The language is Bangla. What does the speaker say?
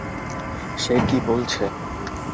সে কী বলছে?